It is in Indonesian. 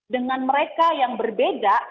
dengan mereka yang berbeda